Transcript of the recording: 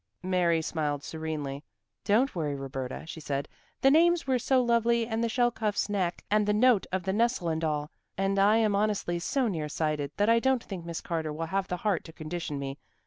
Mary smiled serenely. "Don't worry, Roberta," she said. "The names were so lovely and the shelcuff's neck and the note of the nestle and all, and I am honestly so near sighted, that I don't think Miss Carter will have the heart to condition me.